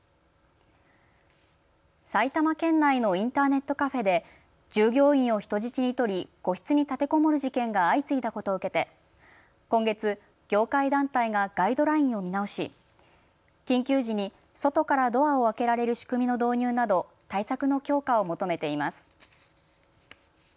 埼玉県内のインターネットカフェで従業員を人質に取り個室に立てこもる事件が相次いだことを受けて今月、業界団体がガイドラインを見直し緊急時に外からドアを開けられる仕組みの導入など対策の強化を求めています。